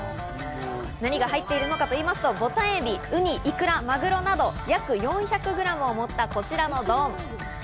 何が入っているのかと言いますと、ボタンエビ、ウニ、いくら、マグロなど約４００グラムを盛った、こちらの丼。